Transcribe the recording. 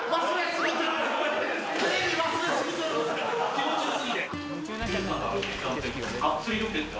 気持ちよすぎて。